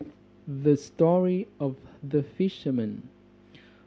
THE STORY OF THE FISHERMAN.